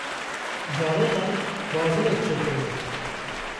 Zarokan bazinek çêkirine.